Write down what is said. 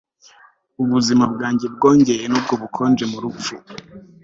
ubuzima bwanjye bwongeye nubwo bukonje mu rupfu